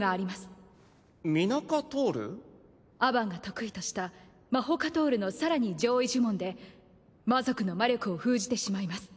アバンが得意としたマホカトールの更に上位呪文で魔族の魔力を封じてしまいます。